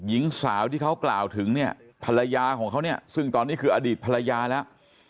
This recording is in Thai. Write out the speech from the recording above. หญิงสาวที่เขากล่าวถึงเนี่ยภรรยาของเขาเนี่ยซึ่งตอนนี้คืออดีตภรรยาแล้ว